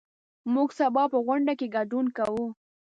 موږ سبا په غونډه کې ګډون کوو.